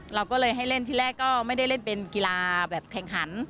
เราก็เลยให้เล่นที่แรกก็ไม่ได้เล่นเป็นกีฬาแบบแข่งขัน